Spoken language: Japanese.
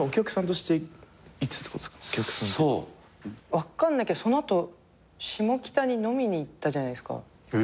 分かんないけどその後下北に飲みに行ったじゃないですか。